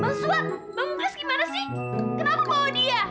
bang suat bang mures gimana sih kenapa mau dia